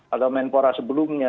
atau menpora sebelumnya